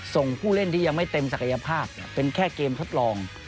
ส่งผู้เล่นที่ยังไม่เต็มศักยภาพเป็นแค่เกมทดลอง